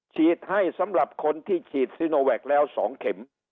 ฉีดให้สำหรับคนที่ฉีดซีโนแวคแล้ว๒เข็ม